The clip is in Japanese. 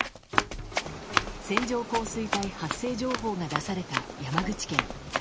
線状降水帯発生情報が出された山口県。